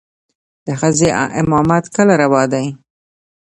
د ښځې امامت کله روا دى.